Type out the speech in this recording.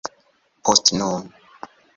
Post nun...